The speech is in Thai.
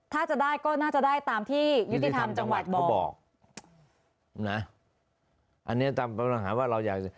ถ้าจะได้ก็น่าจะได้ตามที่ยุติธรรมจังหวัดก็บอกอันนี้ตามปัญหาว่าเราอยาก